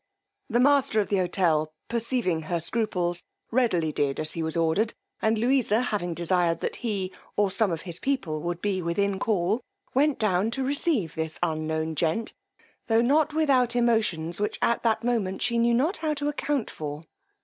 The master of the hotel perceiving her scruples, readily did as he was ordered, and Louisa having desired that he, or some of his people, would be within call, went down to receive this unknown gent, tho' not without emotions, which at that moment she knew not how to account for.